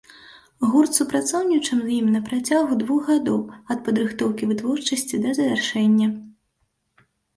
Гурт супрацоўнічаў з ім на працягу двух гадоў, ад падрыхтоўкі вытворчасці да завяршэння.